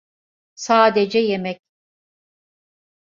Sadece yemek.